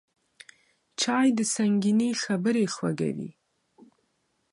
چای د سنګینې خبرې خوږوي